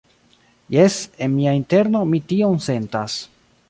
Jes, en mia interno mi tion sentas.